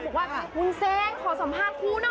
บอกว่าวุ้นเส้นขอสัมภาษณ์คู่หน่อย